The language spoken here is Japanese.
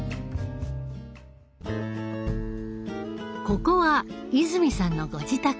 ここは泉さんのご自宅。